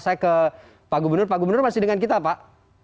saya ke pak gubernur pak gubernur masih dengan kita pak